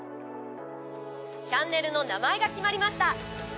チャンネルの名前が決まりました。